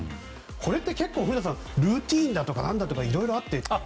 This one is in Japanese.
これって結構古田さん、ルーティンとかいろいろあって。